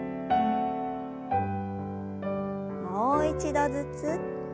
もう一度ずつ。